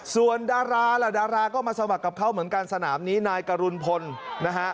ส่วนดาราล่ะดาราก็มาสมัครกับเขาเหมือนกันสนามนี้นายกรุณพลนะฮะ